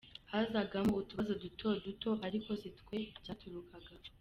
Hazagamo utubazo duto duto, ariko sitwe byaturukagaho.